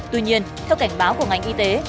tuy nhiên theo cảnh báo của ngành y tế